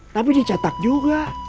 tapi dicetak juga